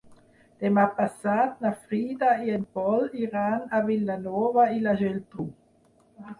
Demà passat na Frida i en Pol iran a Vilanova i la Geltrú.